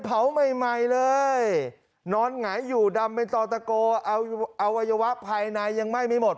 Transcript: เผาใหม่ใหม่เลยนอนหงายอยู่ดำเป็นต่อตะโกเอาอวัยวะภายในยังไหม้ไม่หมด